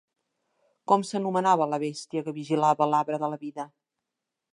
Com s'anomenava la bèstia que vigilava l'arbre de la vida?